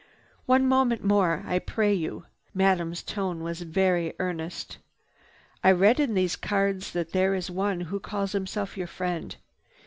"One moment more, I pray you!" Madame's tone was very earnest. "I read in these cards that there is one who calls himself your friend.